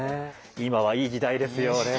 今はいい時代ですよね